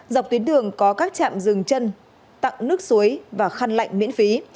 dọc tuyến đường có các trạm rừng chân tặng nước suối và khăn lạnh miễn phí